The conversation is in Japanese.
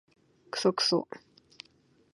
クソクソ